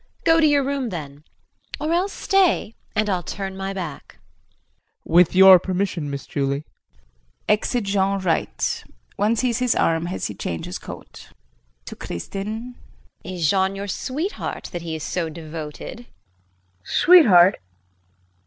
Go to your room then or else stay and I'll turn my back. JEAN. With your permission, Miss Julie. [Exit Jean R. One sees his arm as he changes coat.] JULIE [To Kristin]. Is Jean your sweetheart, that he is so devoted? KRISTIN. Sweetheart?